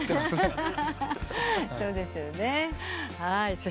はい。